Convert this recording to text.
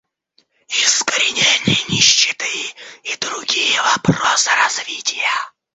Искоренение нищеты и другие вопросы развития.